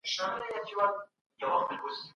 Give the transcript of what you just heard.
مطالعه لرونکی انسان په خپل موقف کي توندی نه کوي.